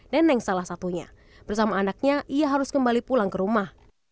neneng salah satunya bersama anaknya ia harus kembali pulang ke rumah